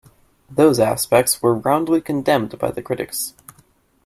Those aspects were roundly condemned by the critics.